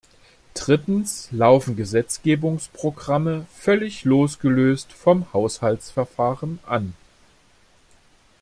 Drittens laufen Gesetzgebungsprogramme völlig losgelöst vom Haushaltsverfahren an.